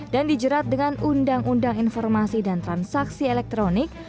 dan dijerat dengan undang undang informasi dan transaksi elektronik